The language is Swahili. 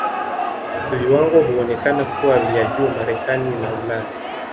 Viwango huonekana kuwa vya juu Marekani na Ulaya.